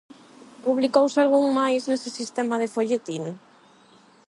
Publicouse algún máis nese sistema de folletín?